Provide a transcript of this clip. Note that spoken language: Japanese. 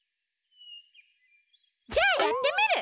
じゃあやってみる！